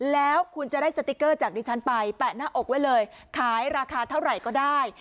แล้วคุณจะได้สติ๊กเกอร์จากดิฉันไปแปะหน้าอกไว้เลยขายราคาเท่าไหร่ก็ได้